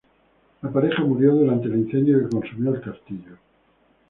La pareja murió durante el incendio que consumió el castillo.